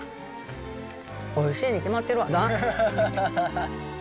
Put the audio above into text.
おいしいに決まってるわな。